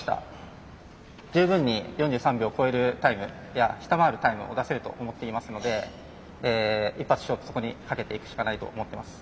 十分に４３秒超えるタイムいや下回るタイムを出せると思っていますので一発勝負そこにかけていくしかないと思ってます。